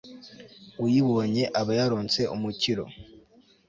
uyibonye aba yaronse umukiro